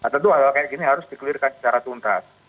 tentu hal hal kayak gini harus di clearkan secara tuntas